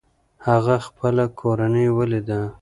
هغه خپله کورنۍ وليده.